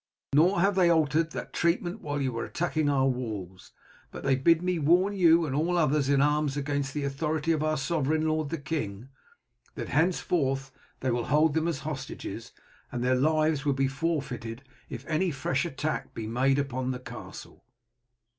Nor have they altered that treatment while you were attacking our walls; but they bid me warn you and all others in arms against the authority of our sovereign lord the king, that henceforth they will hold them as hostages, and that their lives will be forfeited if any fresh attack be made upon the castle."